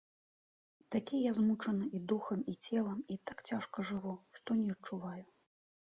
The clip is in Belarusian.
Такі я змучаны і духам і целам і так цяжка жыву, што не адчуваю.